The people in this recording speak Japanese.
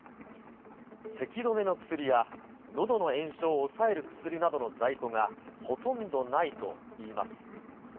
せき止めの薬や、のどの炎症を抑える薬などの在庫が、ほとんどないといいます。